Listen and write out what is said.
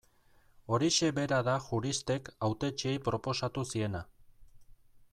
Horixe bera da juristek hautetsiei proposatu ziena.